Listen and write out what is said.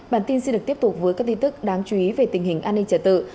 bản tin sẽ được tiếp tục với các tin tức đáng chú ý về tình hình an ninh trả tự